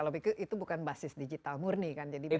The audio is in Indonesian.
kalau begitu itu bukan basis digital murni kan jadi berarti